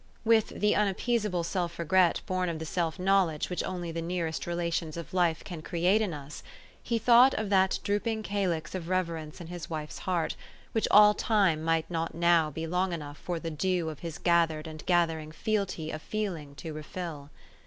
With the unappeasable self regret born of the self knowledge which only the nearest relations of life can create in us, he thought of that drooping calyx of reverence in his wife's heart, which all time might not now be long enough for the dew of his gathered and gather ing fealty of feeling to refill.